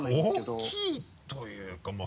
大きいというかまぁ。